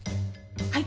はい。